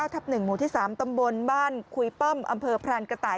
ทับ๑หมู่ที่๓ตำบลบ้านคุยป้อมอำเภอพรานกระต่าย